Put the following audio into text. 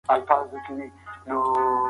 غاښ ایستل په پاکو وسایلو وکړئ.